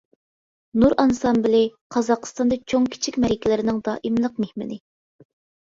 نۇر ئانسامبىلى قازاقىستاندا چوڭ-كىچىك مەرىكىلەرنىڭ دائىملىق مېھمىنى.